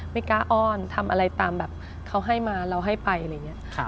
ไม่กล้าอ้อนทำอะไรตามแบบเขาให้มาเราให้ไปอะไรอย่างนี้